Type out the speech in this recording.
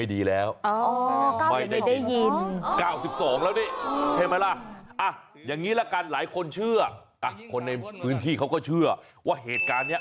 ส่งเสียงมาแล้วเอออยู่นี่